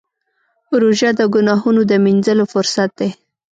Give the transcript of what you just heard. روژه د ګناهونو د مینځلو فرصت دی.